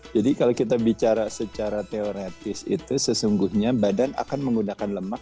jadi kalau kita bicara secara teoretis itu sesungguhnya badan akan menggunakan lemak